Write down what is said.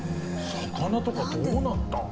魚とかどうなった？